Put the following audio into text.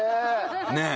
ねえ。